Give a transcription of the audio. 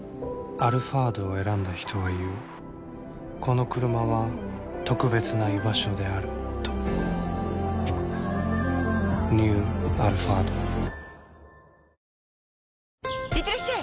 「アルファード」を選んだ人は言うこのクルマは特別な居場所であるとニュー「アルファード」いってらっしゃい！